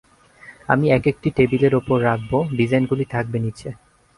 আমি একেকটি টেবিলের ওপর রাখব, ডিজাইন গুলি থাকবে নিচে।